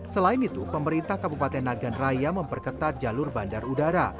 selain itu pemerintah kabupaten nagan raya memperketat jalur bandar udara